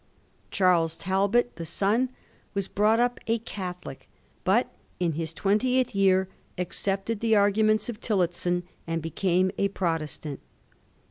Charles Talbot, the son, was brought up a Catholic, but in his twentieth year accepted the arguments of TiUotson and became a Protestant.